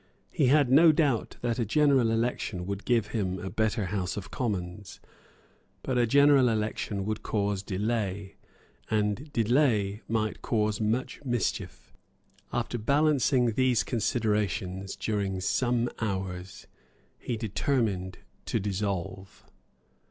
He had no doubt that a general election would give him a better House of Commons; but a general election would cause delay; and delay might cause much mischief. After balancing these considerations, during some hours, he determined to dissolve.